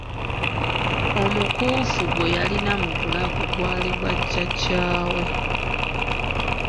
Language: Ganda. Omukuufu gwe yalina mu bulago gw'ali gwa jjajja we.